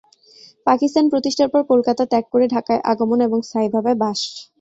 পাকিস্তান প্রতিষ্ঠার পর কলকাতা ত্যাগ করে ঢাকায় আগমন এবং স্থায়ীভাবে বাস।